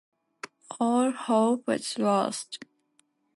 All hope was lost.